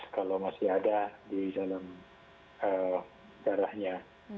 kalau masih ada di dalam darahnya